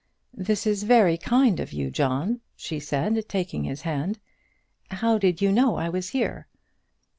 "This is very kind of you, John," she said, taking his hand. "How did you know I was here?"